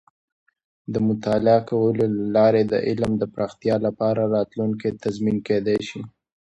د مطالعه کولو له لارې د علم د پراختیا لپاره راتلونکې تضمین کیدی شي.